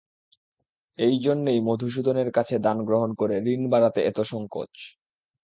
এইজন্যেই মধূসূদনের কাছে দান গ্রহণ করে ঋণ বাড়াতে এত সংকোচ।